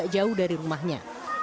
korban jatuh jauh dari rumahnya